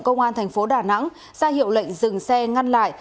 công an thành phố đà nẵng ra hiệu lệnh dừng xe ngăn lại